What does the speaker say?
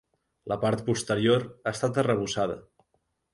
La part posterior ha estat arrebossada.